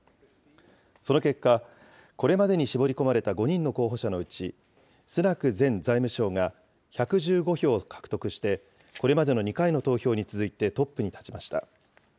その結果、これまでに絞り込まれた５人の候補者のうち、スナク前財務相が１１５票を獲得して、これまでの２回の投票に続いてトップに立ちました。